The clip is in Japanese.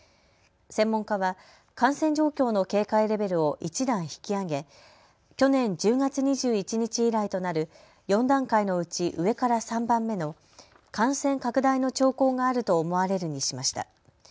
専門家は感染状況の警戒レベルを一段引き上げ去年１０月２１日以来となる４段階のうち、上から３番目の感染拡大の兆候があると思われるにしました。